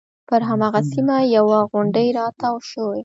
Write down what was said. پر هماغه سیمه یوه غونډۍ راتاو شوې.